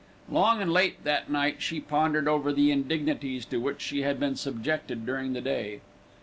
Long and late that night she pondered over the indignities to which she had been subjected during the day.